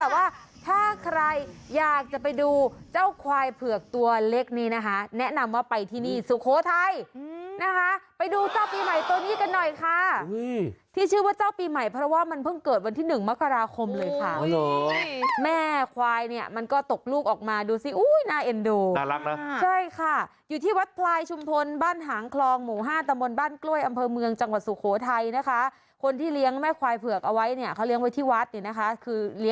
ว่าถ้าใครอยากจะไปดูเจ้าควายเผือกตัวเล็กนี้นะคะแนะนำว่าไปที่นี่สุโขทัยนะคะไปดูเจ้าปีใหม่ตัวนี้กันหน่อยค่ะที่ชื่อว่าเจ้าปีใหม่เพราะว่ามันเพิ่งเกิดวันที่๑มกราคมเลยค่ะแม่ควายเนี่ยมันก็ตกลูกออกมาดูซิอุ้ยน่าเอ็นดูน่ารักนะใช่ค่ะอยู่ที่วัดพลายชุมพลบ้านหางคลองหมู่ห้าตะมนต์บ้านกล้วยอ